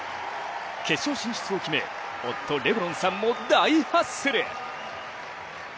決勝進出を決め、夫・レブロンさんも大ハッスル。